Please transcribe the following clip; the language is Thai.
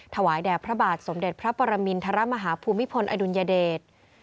ถวายแด่พระบาทสมเด็จพระปรมินทรมาฮาภูมิพลอดุลยเดช